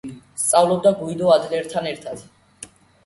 სწავლობდა გუიდო ადლერთან ერთად.